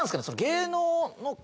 芸能の方？